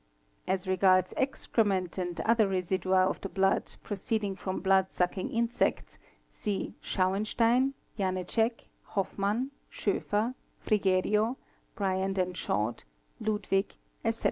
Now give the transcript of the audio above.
As regards excrement, and other residua of the blood, proceeding from 'blood sucking insects, see Schawenstein, Janecek , Hofmann S® Schéfer , Frigerio 89, Briand and Chaud @, Ludwig "", ete.